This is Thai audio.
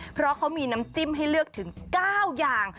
เพราะเขามีน้ำจิ้มให้เลือกถึง๙อย่าง